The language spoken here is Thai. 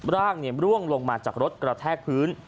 ร่างร่วงลงมาจากรถกระแทกพื้น